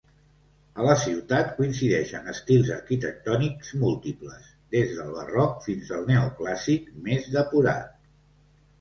A la ciutat coincideixen estils arquitectònics múltiples, des del barroc fins al neoclàssic més depurat.